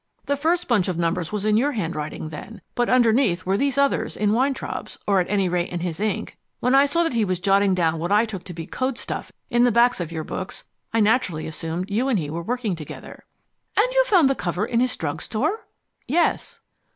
"The first bunch of numbers was in your handwriting, then; but underneath were these others, in Weintraub's or at any rate in his ink. When I saw that he was jotting down what I took to be code stuff in the backs of your books I naturally assumed you and he were working together " "And you found the cover in his drug store?" "Yes."